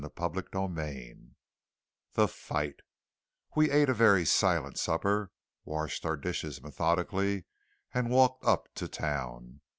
CHAPTER XXX THE FIGHT We ate a very silent supper, washed our dishes methodically, and walked up to town.